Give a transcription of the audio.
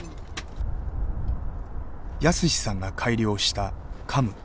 泰史さんが改良した「カム」。